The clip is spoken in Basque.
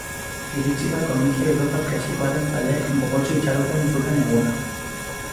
Iritsi da komiki europar klasikoenaren zaleek gogotsu itxaroten zuten eguna.